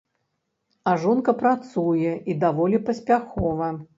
А жонка працуе і даволі паспяхова.